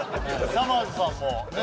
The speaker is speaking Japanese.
さまぁずさんもね